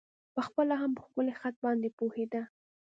په خپله هم په ښکلی خط باندې پوهېده.